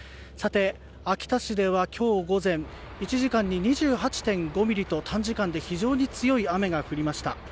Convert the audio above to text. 秋田市では今日午前１時間に２８．５ミリと短時間で非常に強い雨が降りました。